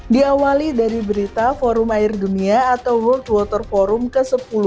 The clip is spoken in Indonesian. diawali dari berita forum air dunia atau world water forum ke sepuluh